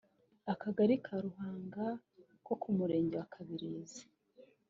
akagari ka Ruhunga ko mu murenge wa kibirizi